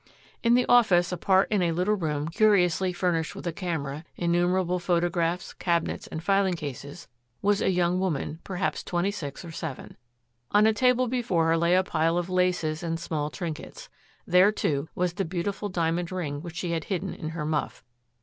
In the office, apart in a little room curiously furnished with a camera, innumerable photographs, cabinets, and filing cases, was a young woman, perhaps twenty six or seven. On a table before her lay a pile of laces and small trinkets. There, too, was the beautiful diamond ring which she had hidden in her muff.